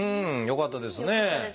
よかったですね。